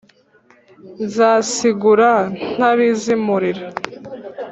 Nzasigura ntabizimurira